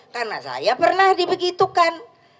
karena saya pernah dibegitukan